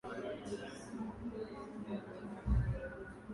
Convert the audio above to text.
ungana nami mtayarishaji na mtangazaji wako